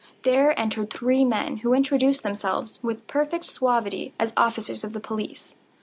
There entered three men, who introduced themselves, with perfect suavity, as officers of the police.